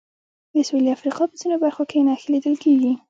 د سوېلي افریقا په ځینو برخو کې نښې لیدل کېږي.